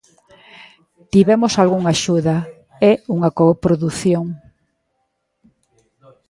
Tivemos algunha axuda, é unha coprodución...